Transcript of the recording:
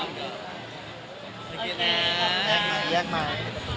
โอเคนะแยกมา